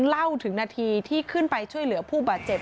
เล่าถึงนาทีที่ขึ้นไปช่วยเหลือผู้บาดเจ็บ